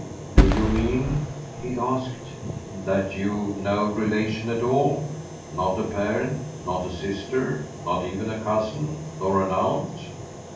"Do you mean," he asked, "that you've no relations at all? not a parent, not a sister, not even a cousin nor an aunt?"